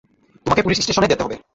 তোমাকে পুলিশ স্টেশনে যেতে হবে।